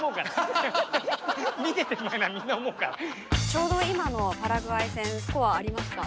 ちょうど今のパラグアイ戦のスコアありました。